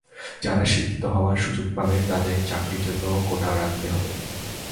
যারা শিক্ষিত হওয়ার সুযোগ পাবে, তাদের চাকরির জন্য কোটা রাখতে হবে।